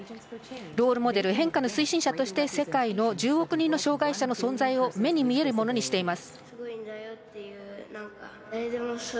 ロールモデル変化の推進者として世界の１０億人の障がい者の存在を目に見えるものにしています。